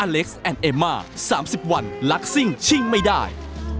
อเล็กซ์แอนด์เอมม่า๓๐วันรักสิ้งชิงไม่ได้